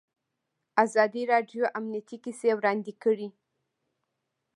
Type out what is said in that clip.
ازادي راډیو د امنیت کیسې وړاندې کړي.